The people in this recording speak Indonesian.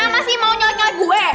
masih mau nyalain nyalain gue